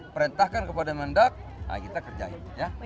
perintahkan kepada mendak nah kita kerjain ya